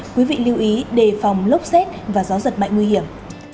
quý vị lưu ý đề phòng lốc xét và gió giật mạnh nguy hiểm